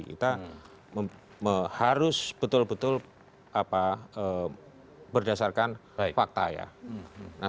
kita harus betul betul berdasarkan fakta ya